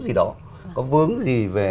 gì đó có vướng gì về